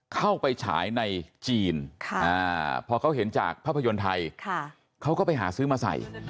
เข้าไปฉายในจีนพอเขาเห็นจากภาพยนตร์ไทยเขาก็ไปหาซื้อมาใส่